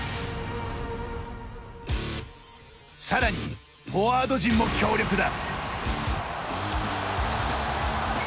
さらにフォワード陣も強力だ。